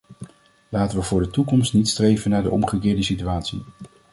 Laten we voor de toekomst niet streven naar de omgekeerde situatie.